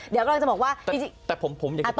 เดี๋ยวก็เราจะบอกมาตรงจบแล้วนะครับ